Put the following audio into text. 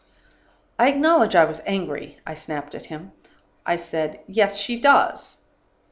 "I acknowledge I was angry. I snapped at him. I said, 'Yes, she does.